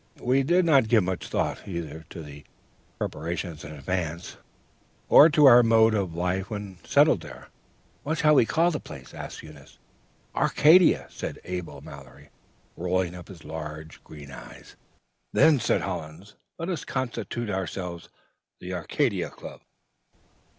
We did not give much thought, either to the preparations in advance, or to our mode of life when settled there. We were to live near to Nature: that was the main thing. "'What shall we call the place?' asked Eunice. "'Arcadia!' said Abel Mallory, rolling up his large green eyes. "'Then,' said Hollins, 'let us constitute ourselves the Arcadian Club!'"